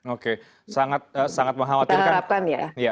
oke sangat mengkhawatirkan